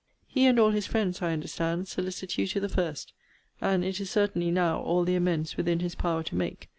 He, and all his friends, I understand, solicit you to the first: and it is certainly, now, all the amends within his power to make.